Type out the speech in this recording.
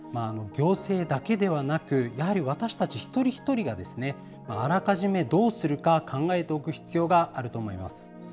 行政だけではなく、やはり私たち一人一人があらかじめどうするか考えておく必要があると思います。